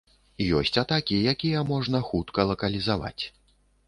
Ёсць атакі, якія можна хутка лакалізаваць.